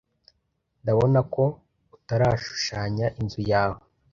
Ndabona ko utarashushanya inzu yawe